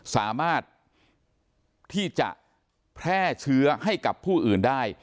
สามารถที่จะแพร่เชื้อให้กับผู้อื่นได้